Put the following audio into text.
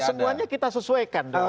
kan semuanya kita sesuaikan dong